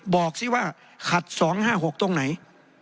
บอกสิว่าขัด๒๕๖ตรงไหน